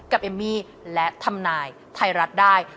เอมมี่และทำนายไทยรัฐได้